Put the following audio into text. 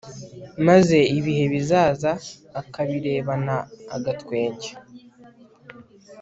maze ibihe bizaza akabirebana agatwenge